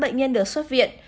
bệnh nhân được xuất viện